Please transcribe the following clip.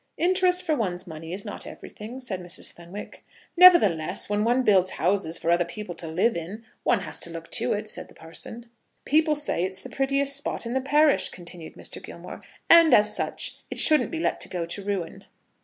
"Interest for one's money is not everything," said Mrs. Fenwick. "Nevertheless, when one builds houses for other people to live in, one has to look to it," said the parson. "People say it's the prettiest spot in the parish," continued Mr. Gilmore, "and as such it shouldn't be let go to ruin."